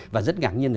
và rất ngạc nhiên là